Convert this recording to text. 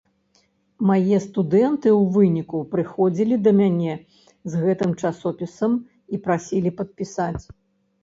Мае студэнты ў выніку прыходзілі да мяне з гэтым часопісам і прасілі падпісаць.